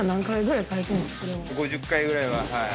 ５０回ぐらいは。